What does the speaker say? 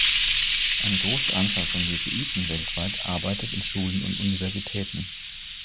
Eine große Zahl von Jesuiten weltweit arbeitet in Schulen und Universitäten.